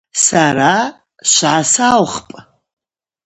Сара швгӏасаухпӏ.